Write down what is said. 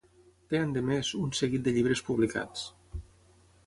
Té, endemés, un seguit de llibres publicats.